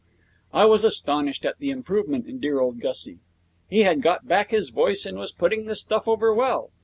I was astonished at the improvement in dear old Gussie. He had got back his voice and was putting the stuff over well.